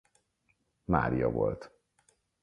Mária volt.